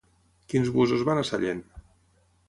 Quins busos van a Sallent?